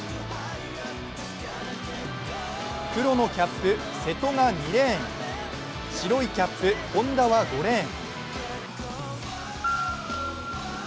黒のキャップ・瀬戸が２レーン白いキャップ・本多は５レーン。